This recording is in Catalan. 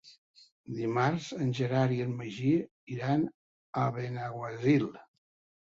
Dimarts en Gerard i en Magí iran a Benaguasil.